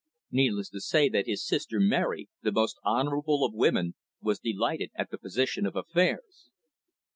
Needless to say that his sister Mary, the most honourable of women, was delighted at the position of affairs.